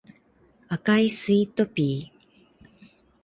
赤いスイートピー